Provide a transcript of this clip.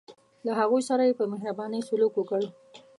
له هغوی سره یې په مهربانۍ سلوک وکړ.